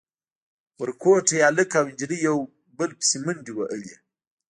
ورکوټي هلک او نجلۍ يو بل پسې منډې وهلې.